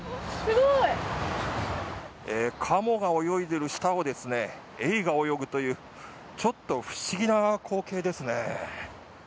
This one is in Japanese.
カモが泳いでいる下をエイが泳ぐというちょっと不思議な光景ですね。